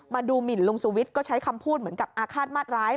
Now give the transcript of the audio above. มาดูหมินลุงสุวิทย์ก็ใช้คำพูดเหมือนกับอาฆาตมาดร้าย